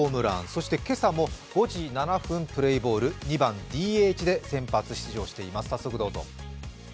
そして今朝も５時７分プレーボール、２番・ＤＨで先発出場しています。